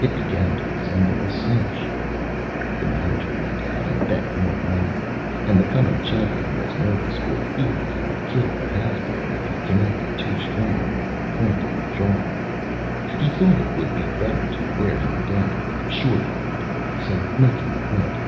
It began to resemble a Cinch. The Manager went out and bet more Money, and the Coming Champion was Nervous for fear that he would kill the Has Been if he connected too strong on the Point of the Jaw. He thought it would be better to wear him down with Short Arm blows and make him Quit.